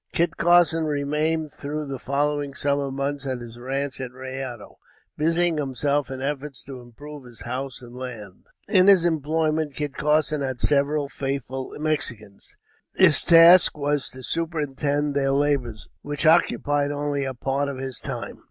Kit Carson remained through the following summer months at his ranche at Rayado, busying himself in efforts to improve his house and lands. In his employment Kit Carson had several faithful Mexicans. His task was to superintend their labors, which occupied only a part of his time.